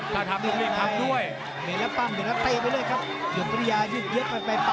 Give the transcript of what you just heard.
ถ้าทำลูกลีกทำด้วย